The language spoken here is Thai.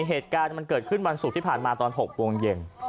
เหตุการณ์มันเกิดขึ้นวันศุกร์ที่ผ่านมาตอน๖โมงเย็น